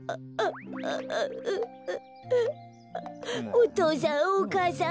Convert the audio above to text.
お父さんお母さん